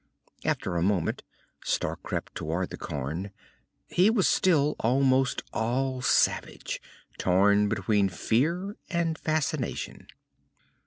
After a moment, Stark crept toward the cairn. He was still almost all savage, torn between fear and fascination.